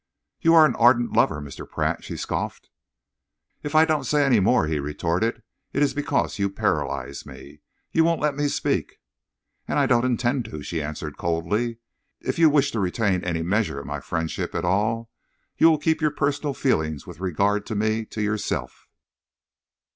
"You are an ardent lover, Mr. Pratt," she scoffed. "If I don't say any more," he retorted, "it is because you paralyse me. You won't let me speak." "And I don't intend to," she answered coldly. "If you wish to retain any measure of my friendship at all, you will keep your personal feelings with regard to me to yourself."